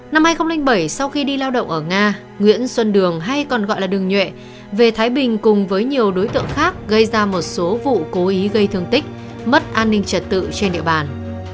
năm hai nghìn bảy sau khi đi lao động ở nga nguyễn xuân đường hay còn gọi là đường nhuệ về thái bình cùng với nhiều đối tượng khác gây ra một số vụ cố ý gây thương tích mất an ninh trật tự trên địa bàn